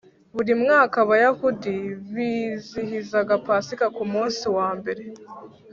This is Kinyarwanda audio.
Buri mwaka Abayahudi bizihizaga Pasika ku munsi wambere